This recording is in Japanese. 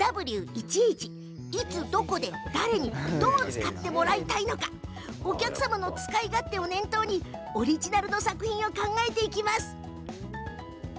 いつどこで誰にどう使ってもらいたいのかお客さんの使い勝手を念頭にオリジナルの作品を考えます。